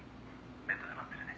「ベッドで待ってるね」